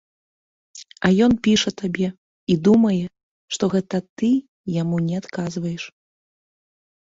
А ён піша табе, і думае, што гэта ты яму не адказваеш.